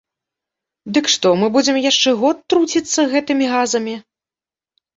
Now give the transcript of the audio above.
Дык што мы будзем яшчэ год труціцца гэтымі газамі?